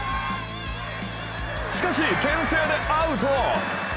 しかし、けん制でアウト。